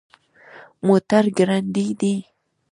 موټر ګړندی دی